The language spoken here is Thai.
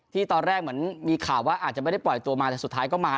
ตอนแรกเหมือนมีข่าวว่าอาจจะไม่ได้ปล่อยตัวมาแต่สุดท้ายก็มา